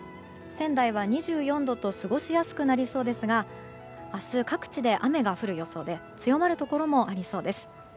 仙台は２４度と過ごしやすくなりそうですが明日、各地で雨が降る予想で強まるところもありそうです。